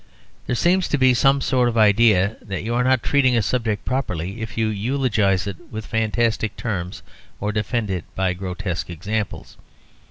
There seems to be some sort of idea that you are not treating a subject properly if you eulogise it with fantastic terms or defend it by grotesque examples.